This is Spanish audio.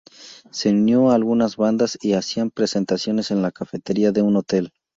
Se unió algunas bandas y hacían presentaciones en la cafetería de un hotel.